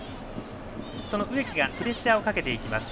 その植木がプレッシャーをかけます。